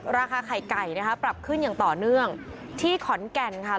ราคาไข่ไก่นะคะปรับขึ้นอย่างต่อเนื่องที่ขอนแก่นค่ะ